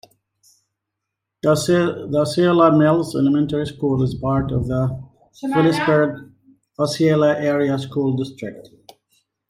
The Osceola Mills Elementary School is part of the Philipsburg-Osceola Area School District.